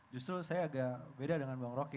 justru saya agak beda dengan bung roky